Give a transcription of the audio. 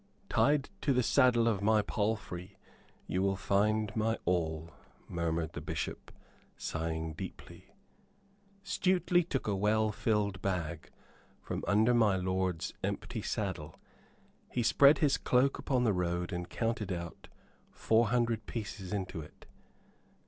"Tied to the saddle of my palfrey you will find my all," murmured the Bishop, sighing deeply. Stuteley took a well filled bag from under my lord's empty saddle. He spread his cloak upon the road and counted out four hundred pieces into it.